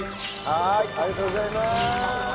はーいありがとうございまーす。